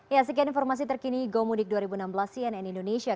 ya sekian informasi terkini gomudik dua ribu enam belas cnn indonesia